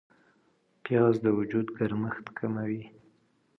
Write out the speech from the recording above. پیاز د وجود ګرمښت کموي